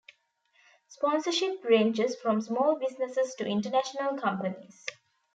Sponsorship ranges from small businesses to international companies.